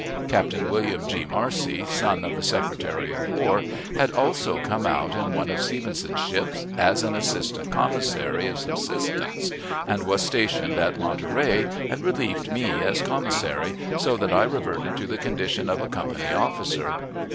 Captain William G. Marcy, son of the Secretary of War, had also come out in one of Stevenson's ships as an assistant commissary of subsistence, and was stationed at Monterey and relieved me as commissary, so that I reverted to the condition of a company officer.